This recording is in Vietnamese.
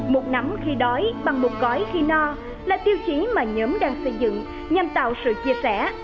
một nắm khi đói bằng một gói khi no là tiêu chí mà nhóm đang xây dựng nhằm tạo sự chia sẻ